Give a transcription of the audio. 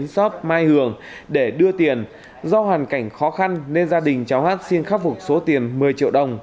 xóm mai hường để đưa tiền do hoàn cảnh khó khăn nên gia đình cháu hát xin khắc phục số tiền một mươi triệu đồng